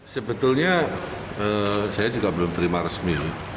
sebetulnya saya juga belum terima resmi